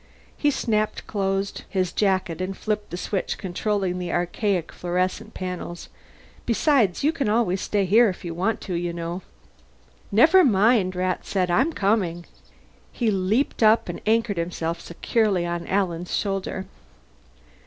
He snapped closed his jacket and flipped the switch controlling the archaic fluorescent panels. "Besides, you can always stay here if you want to, you know." "Never mind," Rat said. "I'm coming." He leaped up and anchored himself securely on Alan's shoulder.